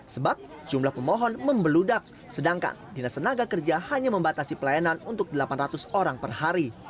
sebab jumlah pemohon membeludak sedangkan dinas tenaga kerja hanya membatasi pelayanan untuk delapan ratus orang per hari